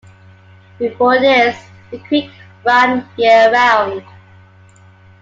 Before this, the creek ran year round.